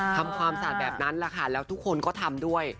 ทำความสระแบบนั้นล่ะค่ะแล้วทุกคนก็ทำด้วย